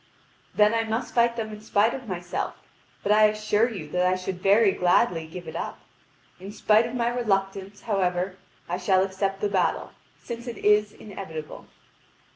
"Then I must fight them in spite of myself. But I assure you that I should very gladly give it up. In spite of my reluctance, however, I shall accept the battle, since it is inevitable."